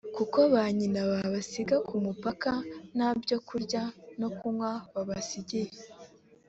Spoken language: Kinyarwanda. kuko ba nyina babasiga ku mupaka nta byo kurya no kunywa babasigiye